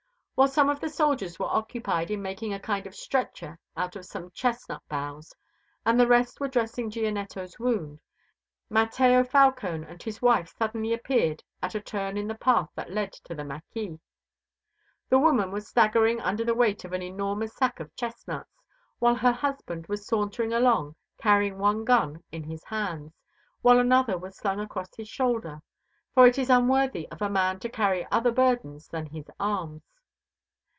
While some of the soldiers were occupied in making a kind of stretcher out of some chestnut boughs and the rest were dressing Gianetto's wound, Mateo Falcone and his wife suddenly appeared at a turn in the path that led to the mâquis. The woman was staggering under the weight of an enormous sack of chestnuts, while her husband was sauntering along, carrying one gun in his hands, while another was slung across his shoulders, for it is unworthy of a man to carry other burdens than his arms.